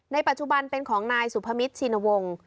ปัจจุบันเป็นของนายสุพมิตรชินวงศ์